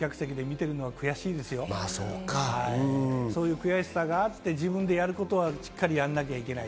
そういう悔しさがあって、自分がやることはしっかりやらなきゃいけない。